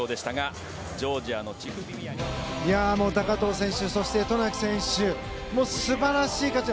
高藤選手そして渡名喜選手素晴らしい活躍。